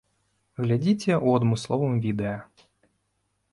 Глядзіце ў адмысловым відэа.